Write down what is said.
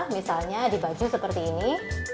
misalnya di baju seperti ini